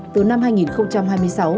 từ năm hai nghìn hai mươi sáu